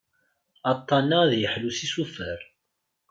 Aṭṭan-a ad yeḥlu s isufar.